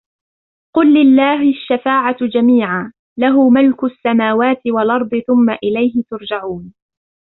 قل لله الشفاعة جميعا له ملك السماوات والأرض ثم إليه ترجعون